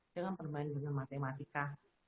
jangan bermain dengan matematika